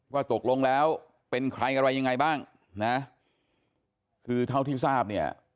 ว่าตกลงแล้วเป็นใครอะไรยังไงบ้างนะคือเท่าที่ทราบเนี่ย